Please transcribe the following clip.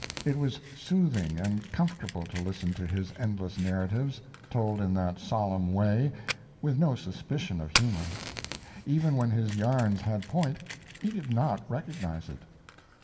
It was soothing and comfortable to listen to his endless narratives, told in that solemn way, with no suspicion of humor. Even when his yarns had point, he did not recognize it.